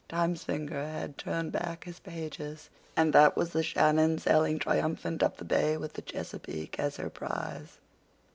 Time's finger had turned back his pages, and that was the Shannon sailing triumphant up the bay with the Chesapeake as her prize.